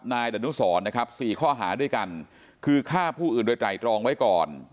นายดนุสรนะครับ๔ข้อหาด้วยกันคือฆ่าผู้อื่นโดยไตรตรองไว้ก่อน